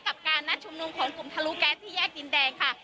กับการนัดชุมนุมของกลุ่มทะลุแก๊สที่แยกดินแดงค่ะ